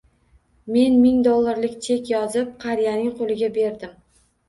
Men ming dollarlik chek yozib, qariyaning qo`liga berdim